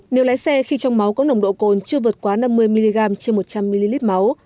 nếu lái xe khi trong máu có nồng độ cồn chưa vượt quá năm mươi mg trên một trăm linh ml máu